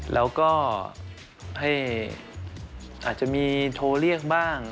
แล้วก็ให้อาจจะมีโทรเรียกบ้าง